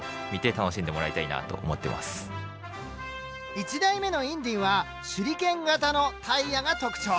１台目の「インディン」は手裏剣型のタイヤが特徴。